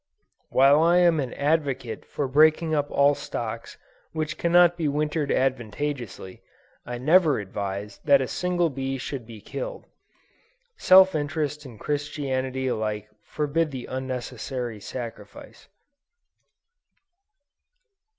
While I am an advocate for breaking up all stocks which cannot be wintered advantageously, I never advise that a single bee should be killed. Self interest and Christianity alike forbid the unnecessary sacrifice.